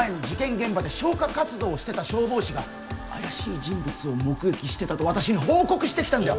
現場で消火活動をしてた消防士が怪しい人物を目撃してたと私に報告してきたんだよ